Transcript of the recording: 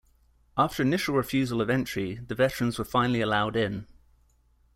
After initial refusal of entry, the veterans were finally allowed in.